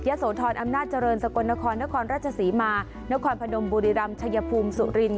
โสธรอำนาจเจริญสกลนครนครราชศรีมานครพนมบุรีรำชัยภูมิสุรินท